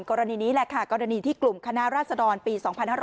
กรณีนี้แหละค่ะกรณีที่กลุ่มคณะราษฎรปี๒๕๕๙